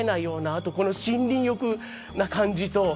あと、この森林浴な感じと。